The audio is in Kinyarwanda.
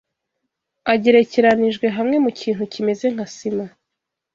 agerekeranijwe hamwe mu kintu kimeza nka sima